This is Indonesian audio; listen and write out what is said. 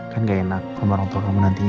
kan gak enak sama orang tua kamu nantinya